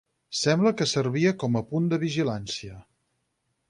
Sembla que servia com a punt de vigilància.